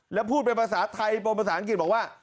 และพูดไปภาษาไทยโปรภาษาอังกฤษบอกว่า